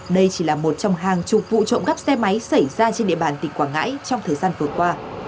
đây chỉ là một trong hàng chục vụ trộm cắp xe máy xảy ra trên địa bàn tỉnh quảng ngãi trong thời gian vừa qua